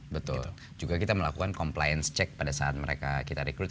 betul juga kita melakukan compliance check pada saat mereka kita rekrut